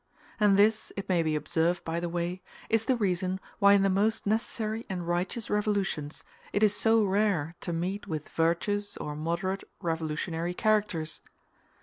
And this, it may be observed by the way, is the reason why in the most necessary and righteous revolutions, it is so rare to meet with virtuous or moderate revolutionary characters.